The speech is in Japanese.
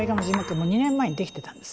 もう２年前にできてたんです。